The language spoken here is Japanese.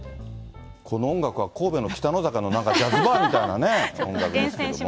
この音楽は神戸のきたのざかのなんかジャズバーみたいなね、音楽ですね。